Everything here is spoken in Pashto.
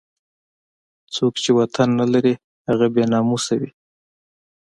څوک چې وطن نه لري هغه بې ناموسه وي.